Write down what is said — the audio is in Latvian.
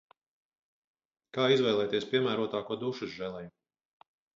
Kā izvēlēties piemērotāko dušas želeju?